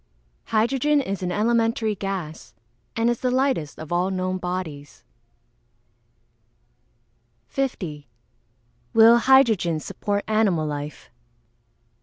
_ Hydrogen is an elementary gas, and is the lightest of all known bodies. 50. _Will hydrogen support animal life?